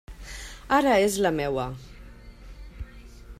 Ara és la meua!